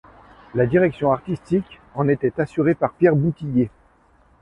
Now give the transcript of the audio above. La direction artistique en était assurée par Pierre Boutillier.